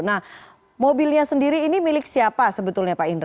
nah mobilnya sendiri ini milik siapa sebetulnya pak indra